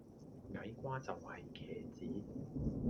矮瓜就係茄子